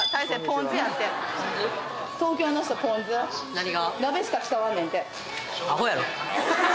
何が？